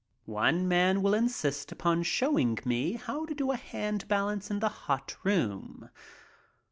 One man will insist upon showing me how to do a hand balance in the hot room.